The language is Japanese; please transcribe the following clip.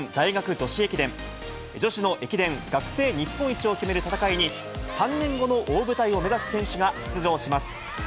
女子の駅伝、学生日本一を決める戦いに、３年後の大舞台を目指す選手が出場します。